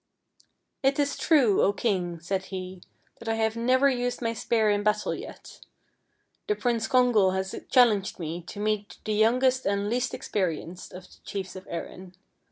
" It is true, O king !" said he, " that I have never used my spear in battle yet. The Prince Congal has challenged me to meet the youngest and least experienced of the chiefs of Erin.